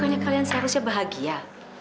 pokoknya kalian seharusnya bahagia